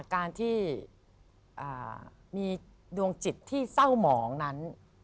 การที่มีดวงจิตที่เศร้าหมองนั้น